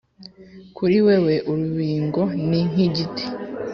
kuri wewe urubingo ni nk'igiti: